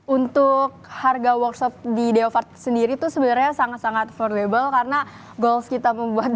untuk harga workshop di de fighter sendiri tuh sebenarnya sangat sangat kamu buat